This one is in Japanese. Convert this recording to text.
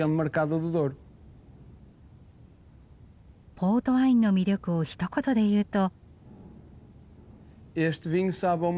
ポートワインの魅力をひと言で言うと？